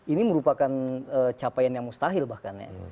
ini merupakan capaian yang mustahil bahkan ya